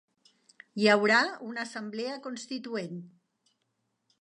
Hi haurà una Assemblea Constituent